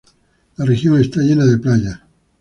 La región está llena de playas.